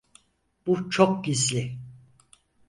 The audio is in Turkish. Bu çok gizli.